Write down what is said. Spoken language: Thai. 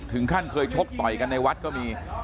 ถึงขั้นเคยชกต่อยกันในวัดก็มี